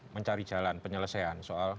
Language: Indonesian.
mencari jalan penyelesaian soal